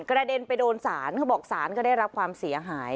เด็นไปโดนศาลเขาบอกศาลก็ได้รับความเสียหาย